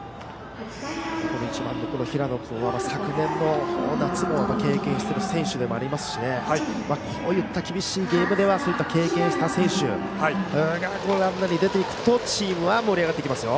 平野君は昨年の夏も経験している選手でもありますしこういった厳しいゲームではそういった経験した選手がランナーに出て行くと、チームは盛り上がっていきますよ。